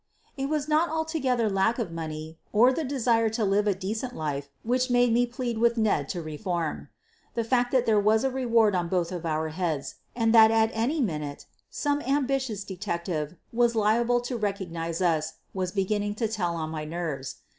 It was not altogether lack of money or the desire to live a decent life which made me plead with Ned to reform. The fact that there was a reward on both our heads and that at any minute some am 76 SOPHIE LYONS bitioua detective was liable to recognize us was be ginning to tell on my nerves.